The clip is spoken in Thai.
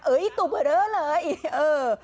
เอ๋ยดูมาเรื่อยเออ